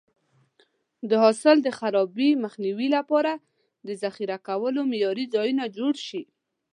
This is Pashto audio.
د حاصل د خرابي مخنیوي لپاره د ذخیره کولو معیاري ځایونه جوړ شي.